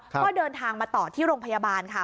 ก็เดินทางมาต่อที่โรงพยาบาลค่ะ